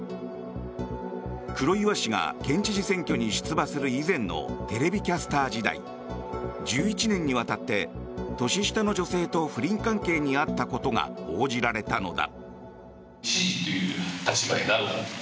黒岩氏が県知事選挙に出馬する以前のテレビキャスター時代１１年にわたって年下の女性と不倫関係にあったことが報じられたのだ。